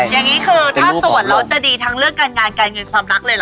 อย่างนี้คือถ้าสวดแล้วจะดีทั้งเรื่องการงานการเงินความรักเลยเหรอ